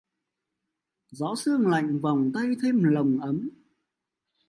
Gió sương lạnh vòng tay thêm nồng ấm